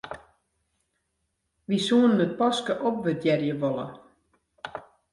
Wy soenen it paske opwurdearje wolle.